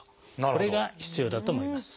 これが必要だと思います。